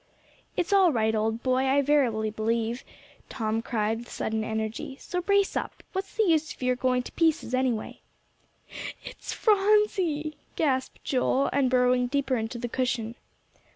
"It's all right, old boy, I verily believe," Tom cried with sudden energy, "so brace up; what's the use of your going to pieces, anyway?" "It's Phronsie," gasped Joel, and burrowing deeper into the cushion.